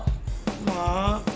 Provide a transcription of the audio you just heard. eh udah tau kan